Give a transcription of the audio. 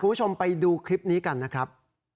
คุณผู้ชมไปดูคลิปนี้กันนะครับ